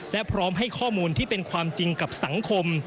และพร้อมให้ข้อมูลที่เป็นความจริงกับสังคม